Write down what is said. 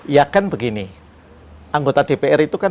ya kan begini anggota dpr itu kan